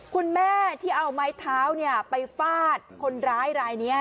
คุณแม่ที่เอาไม้เท้าไปฟาดคนร้ายรายนี้